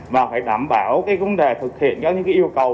và phải đảm bảo cái vấn đề thực hiện các những yêu cầu